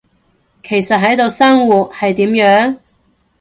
其實喺度生活，係點樣？